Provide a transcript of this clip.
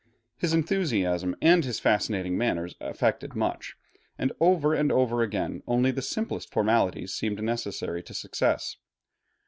His enthusiasm and his fascinating manners effected much, and over and over again only the simplest formalities seemed necessary to success.